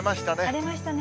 晴れましたね。